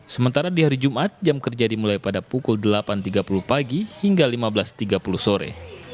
sementara di hari jumat jam kerja dimulai pada pukul delapan tiga puluh pagi hingga lima belas tiga puluh sore